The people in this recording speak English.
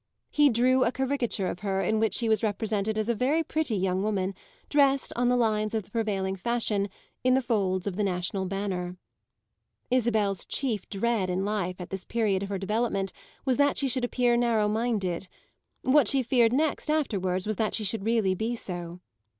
He drew a caricature of her in which she was represented as a very pretty young woman dressed, on the lines of the prevailing fashion, in the folds of the national banner. Isabel's chief dread in life at this period of her development was that she should appear narrow minded; what she feared next afterwards was that she should really be so.